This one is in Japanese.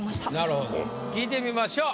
聞いてみましょう。